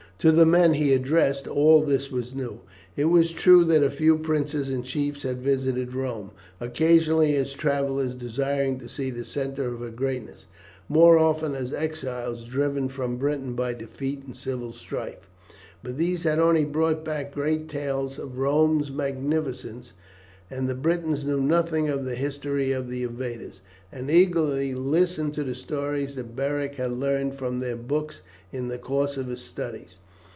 To the men he addressed all this was new. It was true that a few princes and chiefs had visited Rome, occasionally as travellers desiring to see the centre of her greatness, more often as exiles driven from Britain by defeat in civil strife, but these had only brought back great tales of Rome's magnificence, and the Britons knew nothing of the history of the invaders, and eagerly listened to the stories that Beric had learned from their books in the course of his studies.